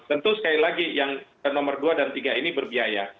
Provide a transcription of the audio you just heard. tentu sekali lagi yang nomor dua dan tiga ini berbiaya